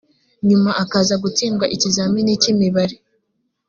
nyuma akaza gutsindwa ikizamini cy’imibare